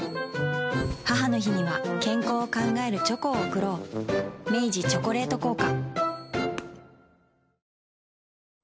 母の日には健康を考えるチョコを贈ろう明治「チョコレート効果」